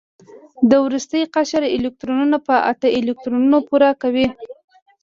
د وروستي قشر الکترونونه په اته الکترونونو پوره کوي.